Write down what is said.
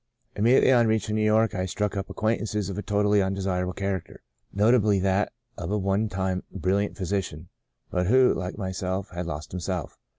Im mediately on reaching New York I struck up acquaintances of a totally undesirable character — notably that of a one time bril liant physician, but who, like myself, had lost himself.